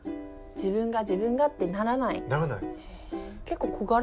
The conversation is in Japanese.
自分が自分がってならない。ならない。